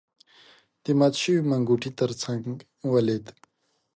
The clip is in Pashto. د مات شوی منګوټي تر څنګ ولید.